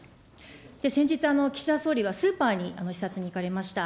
先日、岸田総理はスーパーに視察に行かれました。